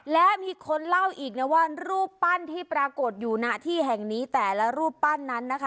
และมีคนเล่าอีกนะว่ารูปปั้นที่ปรากฏอยู่หน้าที่แห่งนี้แต่ละรูปปั้นนั้นนะคะ